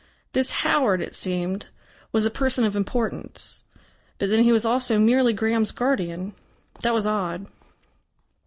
This Howard, it seemed, was a person of importance. But then he was also merely Graham's guardian. That was odd.